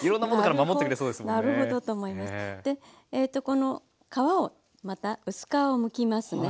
この皮をまた薄皮をむきますね。